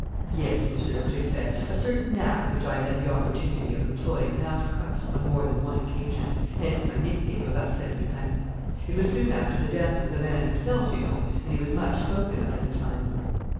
"Yes, Monsieur le Préfet, a certain knack which I had the opportunity of employing in Africa on more than one occasion. Hence my nickname of Arsène Lupin. It was soon after the death of the man himself, you know, and he was much spoken of at the time."